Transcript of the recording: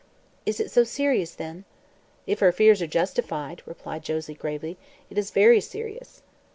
"Is it so serious, then?" "If her fears are justified," replied Josie gravely, "it is very serious."